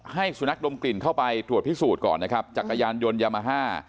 ให้สุนัขดมกลิ่นเข้าไปตรวจพิสูจน์ก่อนนะครับจักรยานยนต์ยามาฮ่า